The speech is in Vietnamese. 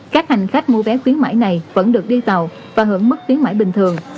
các hành khách mua vé khuyến mãi này vẫn được đi tàu và hưởng mức khuyến mãi bình thường